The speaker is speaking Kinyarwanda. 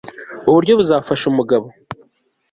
ubu buryo buzafasha umugabo